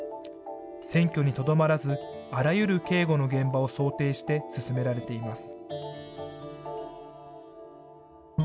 選挙にとどまらず、あらゆる警護の現場を想定して進められています。